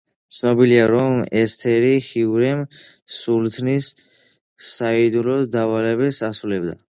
ცნობილია, რომ ესთერი ჰიურემ სულთნის საიდუმლო დავალებებს ასრულებდა.